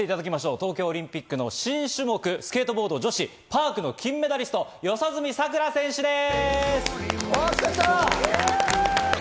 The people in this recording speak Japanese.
東京オリンピックの新種目スケートボード女子パークの金メダリスト・四十住さくら選手です。